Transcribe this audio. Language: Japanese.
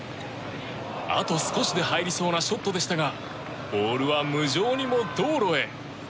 あと少しで入りそうなショットでしたがボールは無情にも道路へ。